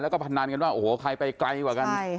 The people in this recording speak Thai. แล้วก็พนันกันว่าโอ้โหใครไปไกลกว่ากัน